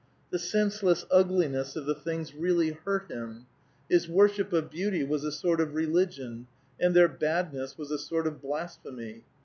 The senseless ugliness of the things really hurt him: his worship of beauty was a sort of religion, and their badness was a sort of blasphemy.